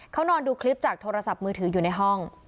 เขานอนดูคลิปจากโทรศัพท์มือถืออยู่ในห้อง